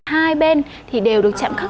hai bên thì đều được chạm khắc